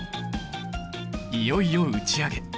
いよいよ打ち上げ！